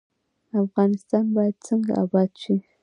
افغانستان باید څنګه اباد شي؟